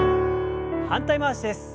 反対回しです。